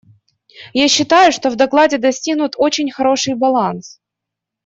Я считаю, что в докладе достигнут очень хороший баланс.